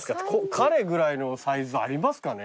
彼ぐらいのサイズありますかね？